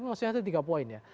masih ada tiga poin ya